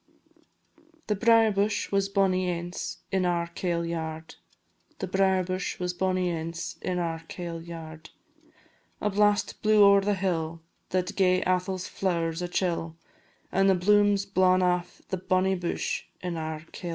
The brier bush was bonnie ance in our kail yard; The brier bush was bonnie ance in our kail yard; A blast blew ower the hill, that gae Atholl's flowers a chill, And the bloom 's blawn aff the bonnie bush in our kail yard.